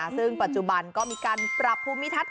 ซึ่งปัจจุบันก็มีการปรับภูมิทัศน